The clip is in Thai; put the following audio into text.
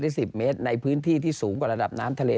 ๑๐เมตรในพื้นที่ที่สูงกว่าระดับน้ำทะเล